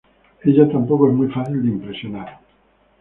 Ella tampoco es muy fácil de impresionar.